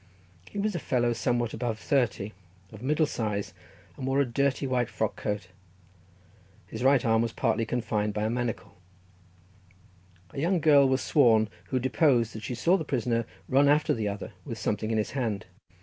He was a fellow somewhat above thirty, of the middle size, and wore a dirty white frock coat; his right arm was partly confined by a manacle—a young girl was sworn, who deposed that she saw the prisoner run after the other with something in his hand.